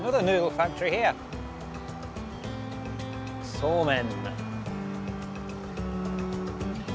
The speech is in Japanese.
そうめん。